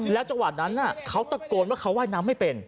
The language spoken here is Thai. จังหวะนั้นเขาตะโกนว่าเขาว่ายน้ำไม่เป็น